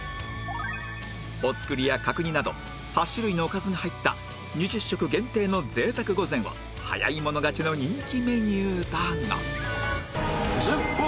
お造りや角煮など８種類のおかずが入った２０食限定の贅沢御膳は早い者勝ちの人気メニューだが